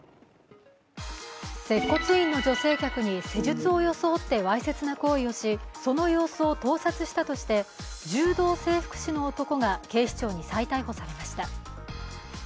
接骨院の女性客に施術を装ってわいせつな行為をしその様子を盗撮したとして柔道整復師の男が警視庁に再逮捕されました。